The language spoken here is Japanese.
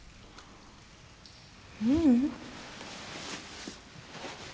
ううん。